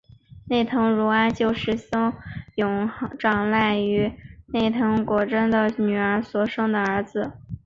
内藤如安就是松永长赖与内藤国贞的女儿所生的儿子。